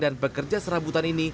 dan bekerja seramah